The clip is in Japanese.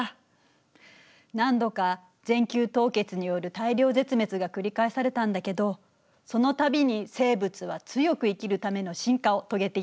何度か全球凍結による大量絶滅が繰り返されたんだけどその度に生物は強く生きるための進化を遂げていったの。